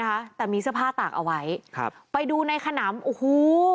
นะคะแต่มีเสื้อผ้าตากเอาไว้ครับไปดูในขนำโอ้โห